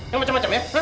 yang macam macam ya